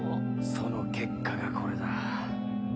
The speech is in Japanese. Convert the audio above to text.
その結果がこれだ。